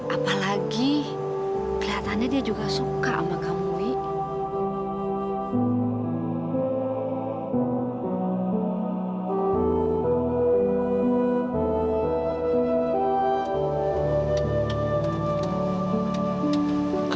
apalagi kelihatannya dia juga suka sama kamu week